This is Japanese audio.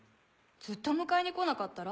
ずっと迎えに来なかったら？